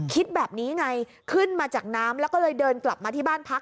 คิดแบบนี้ไงขึ้นมาจากน้ำแล้วก็เลยเดินกลับมาที่บ้านพัก